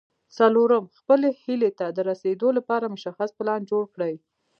څلورم خپلې هيلې ته د رسېدو لپاره مشخص پلان جوړ کړئ.